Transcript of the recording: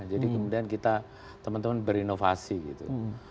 jadi kemudian kita teman teman berinovasi gitu